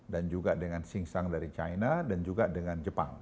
dan juga dengan xing shang dari china dan juga dengan jepang